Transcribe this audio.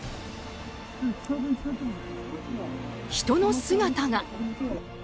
人の姿が。